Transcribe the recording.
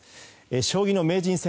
将棋の名人戦